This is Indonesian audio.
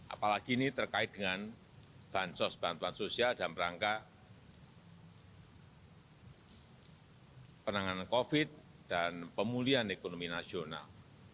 apalagi ini terkait dengan bansos bantuan sosial dan perangkat penanganan covid sembilan belas dan pemulihan ekonomi nasional